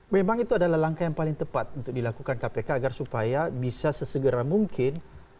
memang itu adalah langkah yang paling tepat untuk dilakukan kpk agar supaya bisa sesegera mungkin